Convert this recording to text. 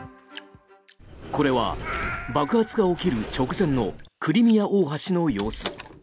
これは爆発が起きる直前のクリミア大橋の様子。